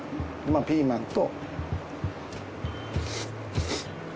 ピーマンと。